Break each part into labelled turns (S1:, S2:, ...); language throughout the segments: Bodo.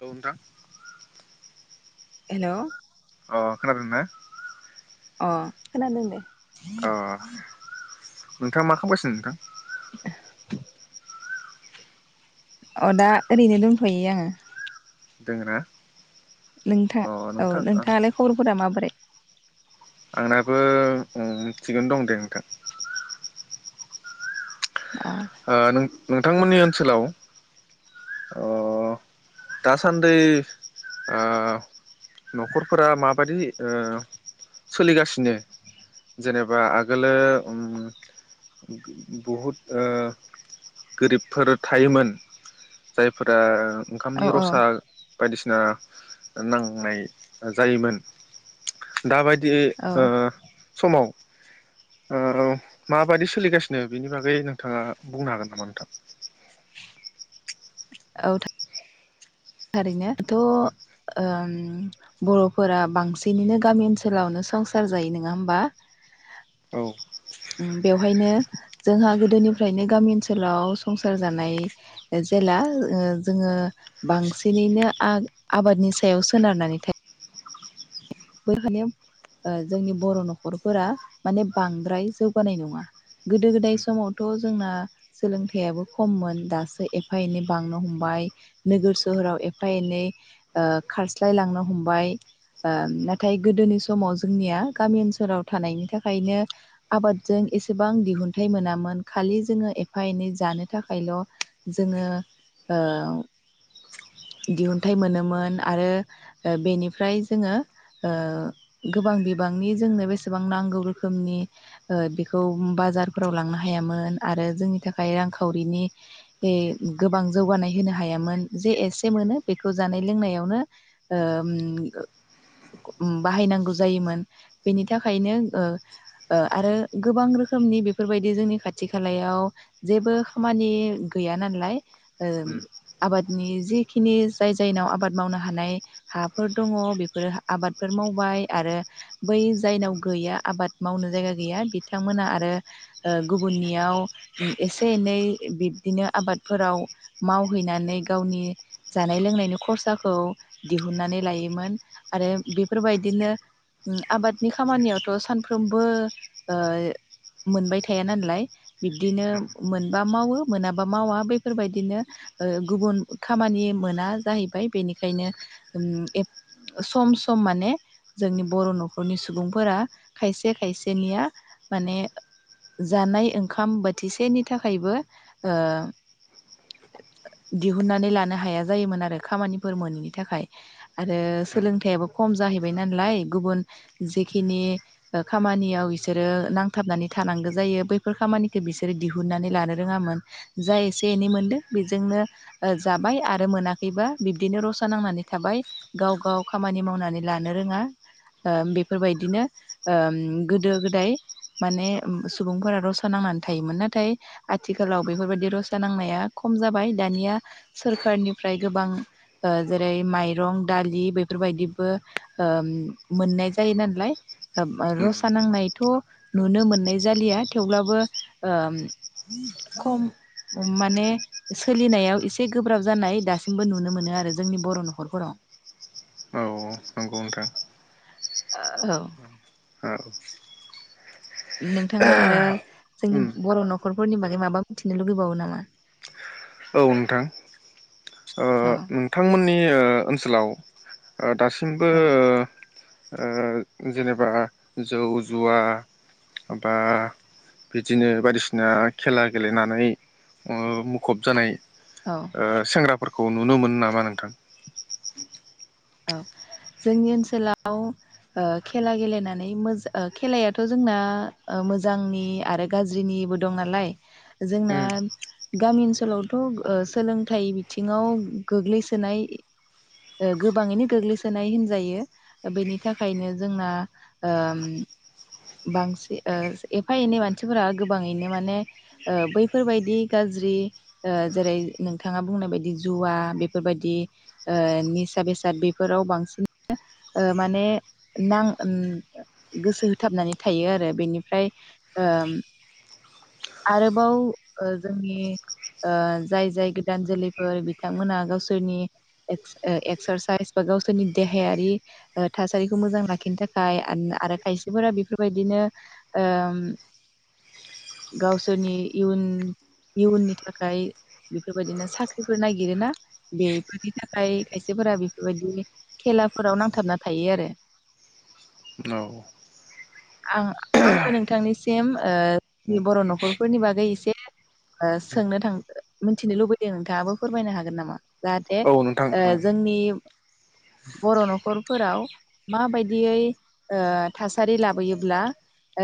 S1: औ नोंथां।
S2: हेल'
S1: अ खोनादोंना?
S2: अ खोनादों दे।
S1: अ नोंथाङा मा खामगायसिनो नोंथां?
S2: [unintelligible] अ दा ओरैनो दंथ'यो आंङो।
S1: दोंना?
S2: नोंथां औ नोंथांङालाय खबरफोरा माबोरै?
S1: आंनाबो ओ थिगैनो दं दे नोंथां।
S2: अ
S1: ओ नों नोंथांमोननि ओन ओनसोलाव ओ दासान्दि ओ न'खरफोरा माबादि ओ सोलिगासिनो जेनेबा आगोलो ओम बहुद ओ गोरिबफोर थायोमोन जायफोरा
S2: औ
S1: ओंखामनि
S2: औ
S1: रसा बायदिसिना नांनाय जायोमोन। दाबायदि
S2: औ
S1: ओ समाव ओ माबादि सोलिगासिनो बेनि बागै नोंथाङा बुंनो हागोन नामा नोंथां?
S2: औ था थारैनो थ' ओम बर'फोरा बांसिनैनो गामि ओनसोलावनो संसार जायो नोङा होमबा?
S1: औ
S2: उम बेवहायनो जोंहा गो दोनिफ्रायनो गामि ओनसोलाव संसार जानाय जेला ओ जोङो बांसिनैनो आ आबादनि सायाव सोनारनानै था [unintelligible] जोंनि बर' न'खरफोरा माने बांद्राय जौगानाय नङा गोदो गोदाय समावथ' जोंना सोलोंथाइयाबो खममोन दासो एफा एनै बांनो हमबाय नोगोर सोहोराव एफा एनै ओ खारस्लायलांनो हमबाय बा नाथाय गोदोनि समाव जोंनिया गामि ओनसोलाव थानायनि थाखायनो आबादजों एसेबां दिहुनथाइ मोनामोन खालि जोङो एफा एनै जानो थाखायल' जोङो ओ दिहुनथाइ मोनोमोन आरो ओ बेनिफ्राय जोङो ओ गोबां बिबांनि जोंनो बेसेबां नांगौ रोखोमनि ओ बेखौ बाजारफोराव लांनो हायामोन आरो जोंनि थाखाय रांखावरिनि गोबां जौगानाय होनो हायामोन जे एसे मोनो बेखौ जानाय लोंनायावनो ओम ओ उम बाहायनांगौ जायोमोन बेनि थाखायनो ओ ओ आरो गोबां रोखोमनि बेफोरबायदि जोंनि खाथि खालायाव जेबो खामानि गैया नालाय ओ
S1: उम
S2: आबादनि जिखिनि जाय जायनाव आबाद मावनो हानाय हाफोर दङ बेफोरो आबादफोर मावबाय आरो बै जायनाव गैया आबाद मावनो जायगा गैया बिथांमोना आरो ओ गुबुननियाव एसे एनै बिब्दिनो आबादफोराव मावहैनानै गावनि जानाय लोंनायनि खरसाखौ दिहुननानै लायोमोन आरो बेफोरबायदिनो आबादनि खामानियावथ' सानफ्रोमबो ओ मोनबाय थाया नालाय बिब्दिनो मोनबा मावो मोनाबा मावा बेफोरबायदिनो ओ गुबुन खामानि मोना जाहैबाय बेनिखायनो उम एफ सम सम माने जोंनि बर' न'खरनि सुबुंफोरा खायसे खायसेनिया माने जानाय ओंखाम बोथिसेनि थाखायबो ओ दिहुननानै लानो हाया जायोमोन आरो खामानिफोर मोनैनि थाखाय आरो सोलोंथाइयाबो खम जाहैबाय नालाय गुबुन जेखिनि खामानियाव इसोरो नांथाबनानै थानांगौ जायो बैफोर खामानिखो बिसोरो दिहुनन्नानै लानो रोङामोन जा एसे एनै मोनदों बेजोंनो ओ जाबाय आरो मोनाखैबा बिब्दिनो रसा नांनानै थाबाय गाव गाव खामानि मावनानै लानो रोङा ओ बेफोरबायदिनो ओम गोदो गोदाय माने सुबुंफोरा रसा नांनानै थायोमोन नाथाय आथिखालाव बेफोरबायदि रसा नांनाया खम जाबाय दानिया सोरखारनिफ्राय गोबां जेरै माइरं दालि बे फोरबायदिबो मोननाय जायो नाललाय
S1: उम
S2: रसा नांनायथ' नुनो मोननाय जालिया थेवब्लाबो ओम खम माने सोलिनायाव एसे गोब्राब जानाय दासिमबो नुनो मोनो आरो जोंनि बर' न'खरफोराव
S1: औ नंगौ नोंथां
S2: ओ औ
S1: ओ
S2: नोंथाङा आरो जोंनि
S1: उम
S2: बर' न'खरफोरनि बागै माबा मोनथिनो लुगैबावो नामा
S1: औ नोंथां ओ
S2: औ
S1: नोंथांमोननि ओ ओनसोलाव दासिमबो
S2: औ
S1: ओ जेनेबा जौ जुवा बा बिदिनो बायदिसिना खेला गेलेनानै ओम खुब जानाय
S2: औ
S1: ओ सेंग्रा फोरफोरखौ नुनो मोनो नामा नोंथां
S2: औ जोंनि ओनसोलाव ओं खेला गेलेनानै मोजा खेलायाथ' जोंना मोजांनि आरो गाज्रिनिबो दं नालाय जोंना
S1: उम
S2: गामि ओनसोलावथ' सोलोंथाइ बिथिङाव गोग्लैसोनाय ओ गोबाङैनो गोग्लैसोनाय होनजायो बेनि थाखायनो जोंना ओम बांसि एफा एनै मानसिफोरा गोबाङैनो माने ओ बैफोरबायदि गाज्रि ओ जेरै नोंथाङा बुंनाय बायदि जुवा बेफोरबायदि ओ नि सा बेसाद बेफोराव बांसिन ओ माने नां गोसो होथाबनानै थायो आरो बेनिफ्राय ओम आरोबाव ओ जोंनि ओ जाय जाय गोदान जोलैफोर बिथांमोना गावसोरनि एक्सारसाइस बा गावसोरनि देहायारि ओ थासारिखौ मोजां लाखिनो थाखाय आरो खायसेफोरा बेफोरबायदिनो ओम गावसोरनि इयुन इयुननि थाखाय बेफोरबायदिनो साख्रिफोर नागिरोना बेफोरनि थाखाय खायसेफोरा बेफोरबायदि खेलाफोराव नां थाबना थायो आरो
S1: औ
S2: आं आंबो नोंथांनिसिम ओ बर' न'खफोरनि बागै एसे ओ सोंनो थां मिनथिनो लुबैदों नोंथाङाबो फोरमायनो हागोन नामा जाहाथे
S1: औ नोंथां
S2: ओ
S1: औ
S2: जोंनि बर न खरफोराव माबायदियै ओ थासारि लाबोयोब्ला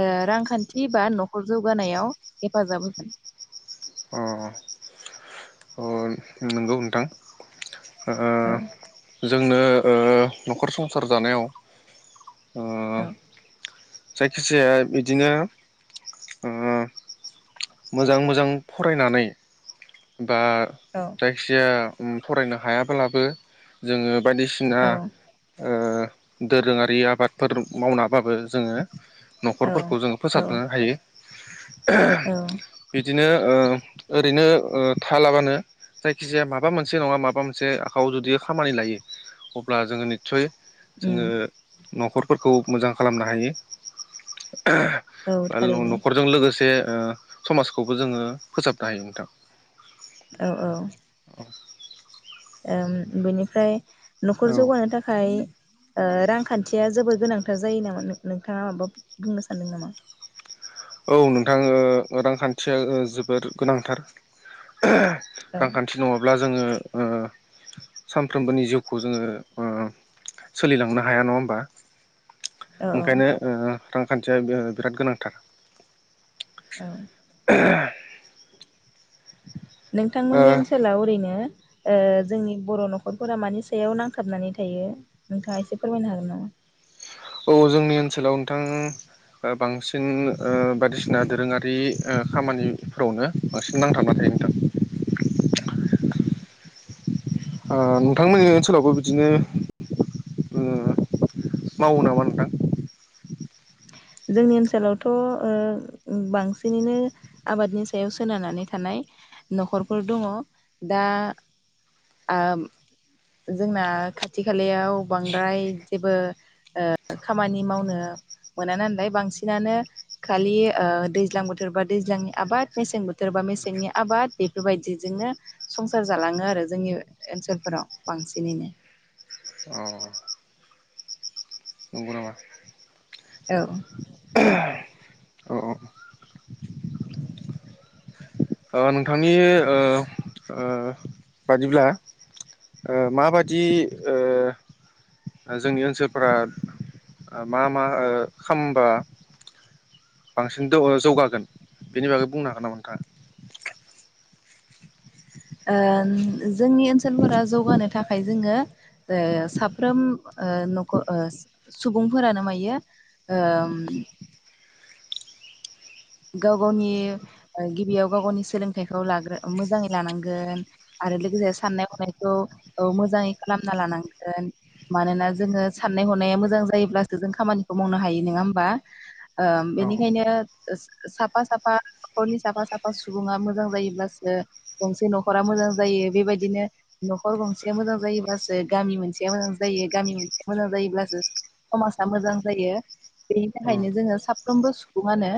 S2: ओ रांखान्थि बा न'खर जौगानायाव हेफाजाब होगोन
S1: अ अ नंगौ नोंथां
S2: औ
S1: ओ जोंनो ओ न'खर संसार जानायाव ओ
S2: औ
S1: जायखिजाया बिदिनो ओ मोजां मोजां फरायनानै बा
S2: औ
S1: जायखिजाया उम फरायनो हायाब्लाबो जोङो बायदिसिना
S2: औ
S1: ओ दोरोङारि आबादफोर मावनाबाबो जोङो
S2: औ
S1: न'खरफोरखौ जोङो
S2: औ
S1: फोसाबनो हायो [unintelligible]
S2: औ
S1: [unintelligible] बिदिनो ओ ओरैनो ओ थालाबानो जायखि जाया माबा मोनसे नङा माबा मोनसे आखआव जुदि खामानि लायो अब्ला जोङो निस्सय जोङो
S2: उम
S1: न'खर फोरखौ मोजां खालामनो हायो
S2: औ थारैनो
S1: न'खरजों लोगोसे ओ समाजखौबो जोङो फोसाबनो हायो नोंथां
S2: औ औ ओम बेनिफ्राय न'खर
S1: औ
S2: जौगानो थाखाय ओ रांखान्थिया जोबोर गोनांथार जायो नामा नोंथाङा माबा बुंनो सानदों नामा?
S1: औ नोंथां रांखान्थिया जोबोर गोनांथार।
S2: औ
S1: रांखान्थि नङाब्ला जोङो ओ सानफ्रोमबोनि जिउखौ जोङो ओ सोलिलांनो हाया नङा होमबा?
S2: औ
S1: ओंखायनो ओ रांखान्थिया बिराद गोनांथार।
S2: औ
S1: [unintelligible]
S2: नोंथांमोननि ओनसोलाव ओरैनो ओ जोंनि बर' न'खरफोरा मानि सायाव नांथाबनानै थायो नोंथाङा एसे फोरमायनो हागोन नामा?
S1: औ जोंनि ओनसोलाव नोंथां बांसिन ओ बायदिसिना दोरोङारि ओ खामानिफोरावनो बांसिन नांथाबना थायो नोंथां। ओ नोंथांमोननि ओनसोलावबो बिदिनो ओ मावो नामा नोंथां?
S2: जोंनि ओनसोलावथ' ओ बांसिनैनो आबादनि सायाव सोनारनानै थानाय न'खरफोर दङ दा ओ जोंना खाथि खालायाव बांद्राय जेबो ओ खामानि मावनो मोना नालाय बांसिनानो खालि ओ दैज्लां बोथोरबा दैज्लांनि आबाद मेसें बोथोरबा मेसेंनि आबाद बेफोरबायदिजोंनो संसार जालाङो आरो जोंनि ओनसोलफोराव बांसिनैनो।
S1: अ नंगौ नामा
S2: औै थारैनो।
S1: औ औ ओ नोंथांनि ओ- ओ बादिब्ला ओ माबादि ओ जोंनि ओनसोलफोरा मा मा ओ खालामबा बांसिन जौगागोन बेनि बागै बुंनो हागोन नामा नोंथाङा?
S2: ओम जोंनि ओनसोलफोरा जौगानो थाखाय जोङो साफ्रोम ओ नखर ओ सुबुंफोरानो मायो ओ गाव गावनि गिबियाव गाव गावनि सोलोंथाइखौ लाग्रो मोजाङै लानांगोन आरो लोगोसे साननाय हनायखौ मोजाङै खालामना लानांगोन मानोना जोङो साननाय हनाया मोजां जायोब्लासो जों खामानिखौ मावनो हायो नङा होमबा ओ
S1: औ
S2: बेनिखायनो साफा साफा न'खरनि साफा साफा सुबुङा मोजां जायोब्लासो गंसे न'खरा मोजां जायो बेबायदिनो न'खर गंसेया मोजां जायोब्लासो गामि मोनसेया मोजां जायो गामि मोनसेया मोजां जायोब्लासो समाजा मोजां जायो बेनि
S1: उम
S2: थाखायनो जोङो साफ्रोमबो सुबुङानो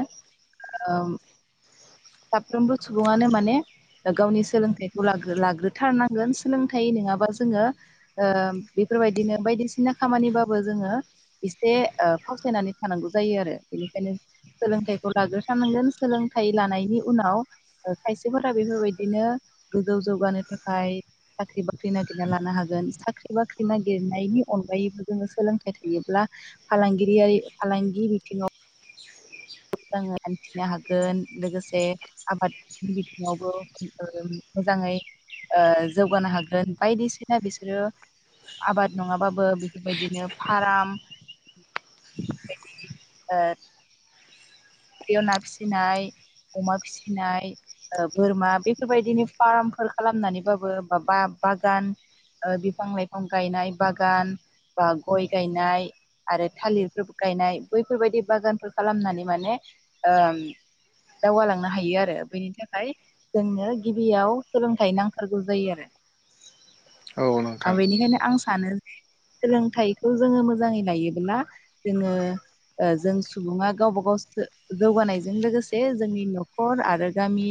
S2: ओम साफ्रोमबो सुबुङानो माने गावनि सोलोंथाइखौ लाग्रो- लाग्रोथारनांगोन सोलोंथाइ नङाबा जोङो ओ बेफोरबायदिनो बायदिसिना खामानिबाबो जोङो एसे फावसायनानै थानांगौ जायो आरो बेनिखायनो सोलोंथाइ लागोसारनांगोन सोलोंथाइ लानायनि उनाव खायसेफोरा बेफोरबायदिनो गोजौ जौगानो थाखाय साख्रि बाख्रि नागिरना लानो हागोन साख्रि बाख्रि नागिरनायनि अनगायैबो जोङो सोलोंथाइ थायोब्ला फालांगिरियारि फालांगि बिथिङाव मोजाङै हान्थिनो हागोन लोगोसे आबादनि बिथिङावबो मोजाङै ओ जौगानो हागोन बायदिसिना बिसोरो आबाद नङाबाबो बेफोरबायदिनो फार्म [unintelligible] फुख्रिया ना फिसिनाय, अमा फिसिनाय, बोरमा बेफोरबायदिनि फार्मफोर खालामनानैबाबो बा बा बागान बिफां- लाइफां गायनाय बागान बा गय गायनाय आरो थालिरफोर गायनाय बैफोरबायदि बागानफोर खालामनानै माने दावगालांनो हायो आरो बेनि थाखाय जोंनो गिबियाव सोलोंथाइ नांथारगौ जायो आरो।
S1: औ
S2: आ
S1: नोंथां
S2: बेनिखायनो आं सानो जे सोलोंथाइखौ जोङो मोजाङै लायोब्ला जोङो जों सुबुङा गावबा गाव जौगानायजों लोगोसे जोंनि न'खर आरो गामि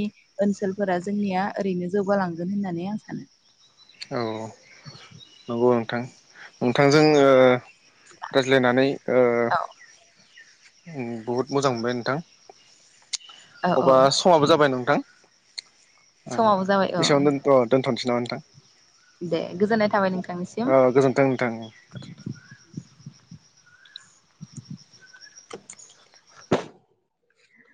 S2: ओनसोलफोरा जोंनिया ओरैनो जौगालांगोन होननानै आं सानो।
S1: औ नंगौ नोंथां [unintelligible] बिथांजों ओ रायज्लायनानै ओ
S2: औ
S1: बुहुत मोजां मोनबाय नोंथां।
S2: औ औ
S1: अब्ला समाबो जाबाय नोंथां। ओ
S2: समाबो जाबाय औ
S1: एसेङावनो दथ' -दोनथ'नोसै। अ' नोंथां।
S2: दे गोजोननाय थाबाय नोंथां।
S1: औ गोजोन्थों नोंथां उम।